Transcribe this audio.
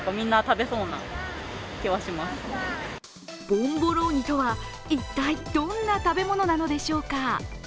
ボンボローニとは、一体どんな食べ物なのでしょうか？